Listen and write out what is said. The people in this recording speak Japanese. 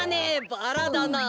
バラだなあ。